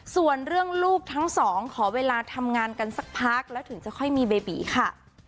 ส่วนเรื่องลูกทั้งสองขอเวลาทำงานกันสักพักแล้วถึงจะค่อยมีเบบีค่ะ